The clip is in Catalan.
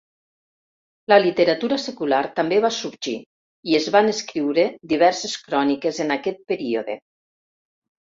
La literatura secular també va sorgir i es van escriure diverses cròniques en aquest període.